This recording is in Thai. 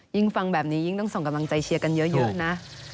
ฟังแบบนี้ยิ่งต้องส่งกำลังใจเชียร์กันเยอะนะ